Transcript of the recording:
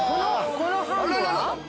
◆このハムは？